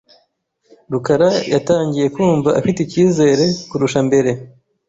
rukara yatangiye kumva afite icyizere kurusha mbere .